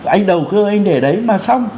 anh đầu cơ anh để đấy mà xong